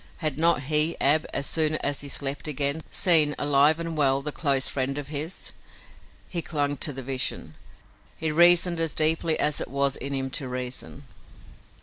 Had not he, Ab, as soon as he slept again, seen, alive and well, the close friend of his? He clung to the vision. He reasoned as deeply as it was in him to reason.